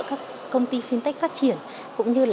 các công ty fintech phát triển cũng như